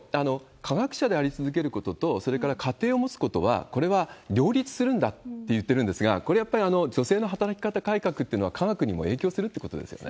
科学者であり続けることと、それから、家庭を持つことは、これは両立するんだって言ってるんですが、これ、やっぱり女性の働き方改革ってのは、科学にも影響するってことですよね。